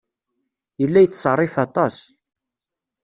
Yella yettṣerrif aṭas.